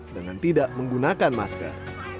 dengan tidak menggunakan masker